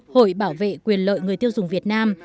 hội bảo vệ quyền lợi người tiêu dùng việt nam